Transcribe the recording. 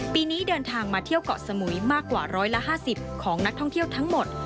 ปีนี้เดินทางมาเที่ยวเกาะสมุยมากกว่า๑๕๐ของนักท่องเที่ยวทั้งหมด